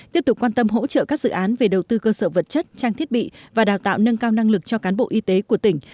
tiếp tục quan tâm hỗ trợ các dự án về đầu tư cơ sở vật chất trang thiết bị và đào tạo nâng cao năng lực cho cán bộ y tế của tỉnh